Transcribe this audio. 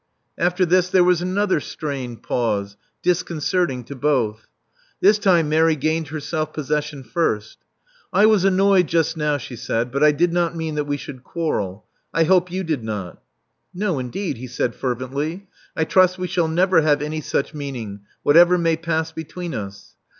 After this there was another strained pause, dis concerting to both. This time Mary gained her self possession first. '*I was annoyed just now," she said: but I did not mean that we should quarrel. I hope you did not." No, indeed," he said fervently. I trust we shall never have any such meaning, whatever may pass between us."